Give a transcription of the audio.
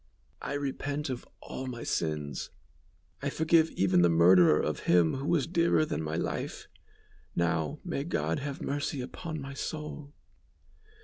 "I repent of all my sins; I forgive even the murderer of him who was dearer than my life. Now, may God have mercy upon my soul."